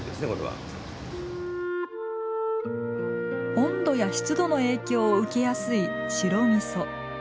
温度や湿度の影響を受けやすい白みそ。